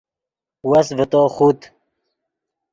وس ڤے تو خوت